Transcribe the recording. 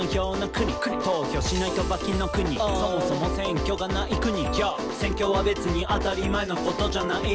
「投票しないと罰金の国」「そもそも選挙がない国」「選挙は別に当たり前のことじゃない」